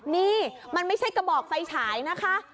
นี่มันไม่ใช่กระบอกไฟฉายนะคะ